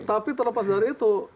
tapi terlepas dari itu